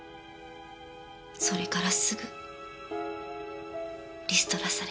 それからすぐリストラされました。